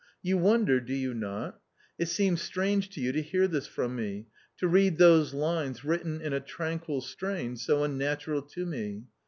" You wonder, do you not ? It seems strange to you to hear this from me — to read those lines written in a tranquil strain so unnatural to me